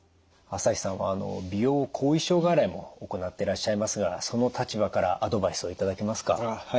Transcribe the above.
朝日さんは美容後遺症外来も行ってらっしゃいますがその立場からアドバイスを頂けますか？